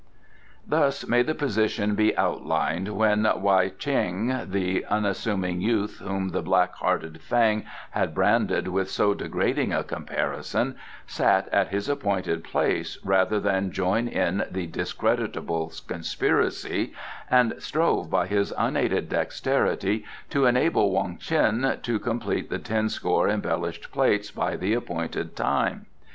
Thus may the position be outlined when Wei Chang, the unassuming youth whom the black hearted Fang had branded with so degrading a comparison, sat at his appointed place rather than join in the discreditable conspiracy, and strove by his unaided dexterity to enable Wong Ts'in to complete the tenscore embellished plates by the appointed time.